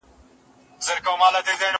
زه کولای سم درسونه لوستل کړم!